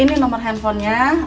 ini nomer teleponnya